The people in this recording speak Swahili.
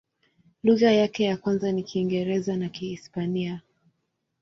Lugha yake ya kwanza ni Kiingereza na Kihispania.